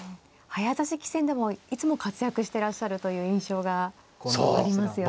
早指し棋戦でもいつも活躍してらっしゃるという印象がありますよね。